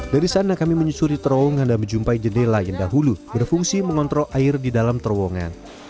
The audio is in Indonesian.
dari sana kami menyusuri terowongan dan menjumpai jendela yang dahulu berfungsi mengontrol air di dalam terowongan